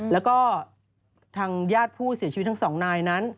แล้วก็ทางญาติผู้เสียชีวิตทั้งสองนายนั้น